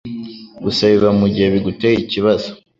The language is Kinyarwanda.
Gusa biba mu gihe biguteye ikibazo